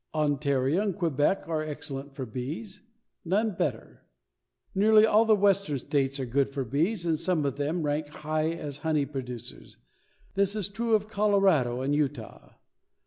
Ontario and Quebec are excellent for bees none better. Nearly all the western states are good for bees and some of them rank high as honey producers. This is true of Colorado and Utah.